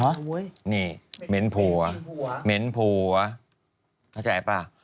เหรอนี่เหม็นผูวะเหม็นผูวะเข้าใจป่ะ